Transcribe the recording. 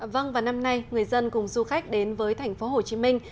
vâng và năm nay người dân cùng du khách đến với thành phố hồ chí minh